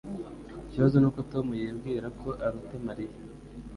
Ikibazo nuko Tom yibwira ko aruta Mariya